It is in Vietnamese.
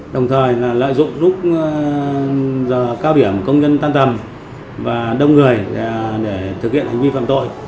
đồng thời lợi dụng lúc giờ cao điểm công nhân tan tầm và đông người để thực hiện hành vi phạm tội